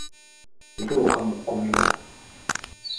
Yatoloka mu kkomera.